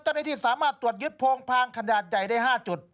เจ้าหน้าที่สามารถตรวจยึดโพงพางขนาดใหญ่ได้๕จุด